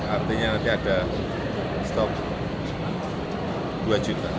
artinya nanti ada stok dua juta